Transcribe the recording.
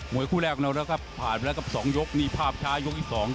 มวยคู่แรกกันแล้วครับผ่านไปแล้วกับสองยกนี่ภาพช้ายกอีกสองครับ